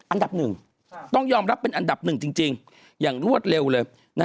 อันดับหนึ่งต้องยอมรับเป็นอันดับหนึ่งจริงอย่างรวดเร็วเลย